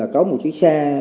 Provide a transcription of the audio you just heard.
có một chiếc xe